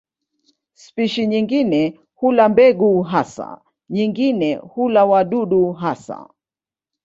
Spishi nyingine hula mbegu hasa, nyingine hula wadudu hasa.